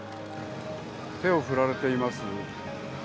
手を振られています。